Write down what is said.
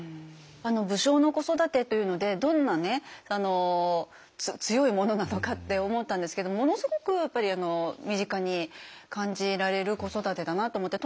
武将の子育てというのでどんなね強いものなのかって思ったんですけどものすごくやっぱり身近に感じられる子育てだなって思って。